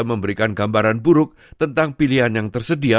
memberikan gambaran buruk tentang pilihan yang tersedia